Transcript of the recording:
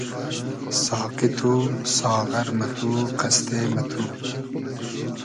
ساقی تو , ساغر مہ تو , قئستې مہ تو